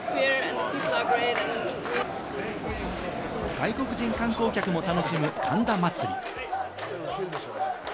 外国人観光客も楽しむ神田祭。